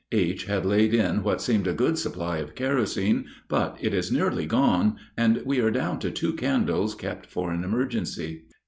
H. had laid in what seemed a good supply of kerosene, but it is nearly gone, and we are down to two candles kept for an emergency.